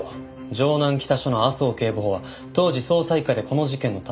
城南北署の麻生警部補は当時捜査一課でこの事件の担当。